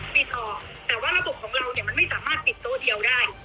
ปิดออกแต่ว่าระบบของเราเนี่ยมันไม่สามารถปิดโต๊ะเดียวได้